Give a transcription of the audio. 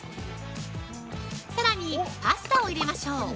◆さらに、パスタを入れましょう。